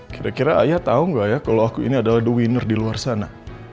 kira kira ayah tahu nggak ya kalau aku ini adalah the winner di luar sana